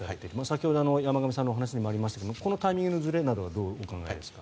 先ほど山上さんのお話にもありましたがこのタイミングのずれなどはどう考えますか？